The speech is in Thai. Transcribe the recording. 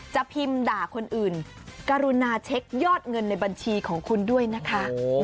จะพิมพ์ด่าคนอื่นกรุณาเช็คยอดเงินในบัญชีของคุณด้วยนะคะ